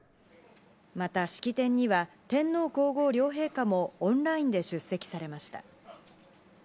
また式典には、天皇皇后両陛下もオンラインで出席されました。